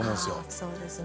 そうですね。